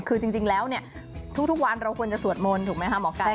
คือจริงแล้วเนี่ยทุกวันเราควรจะสวดมนต์ถูกไหมคะหมอไก่